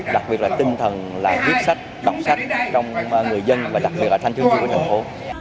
đặc biệt là tinh thần làm viết sách đọc sách trong người dân và đặc biệt là thanh thương chung với thành phố